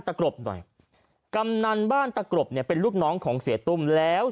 กรบหน่อยกำนันบ้านตะกรบเนี่ยเป็นลูกน้องของเสียตุ้มแล้ว